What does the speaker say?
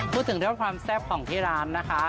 พูดถึงเรื่องความแซ่บของที่ร้านนะคะ